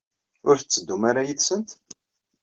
Ur tetteddum ara yid-sent?